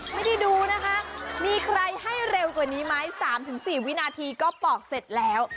ไม่ได้ดูนะคะมีใครให้เร็วกว่านี้ไหม๓๔วินาทีก็ปอกเสร็จแล้ว